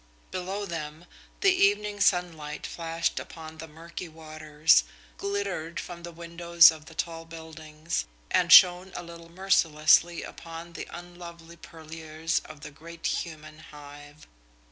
Below them, the evening sunlight flashed upon the murky waters, glittered from the windows of the tall buildings, and shone a little mercilessly upon the unlovely purlieus of the great human hive.